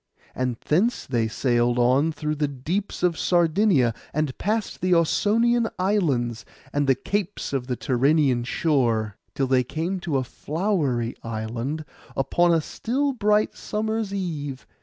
And thence they sailed on through the deeps of Sardinia, and past the Ausonian islands, and the capes of the Tyrrhenian shore, till they came to a flowery island, upon a still bright summer's eve.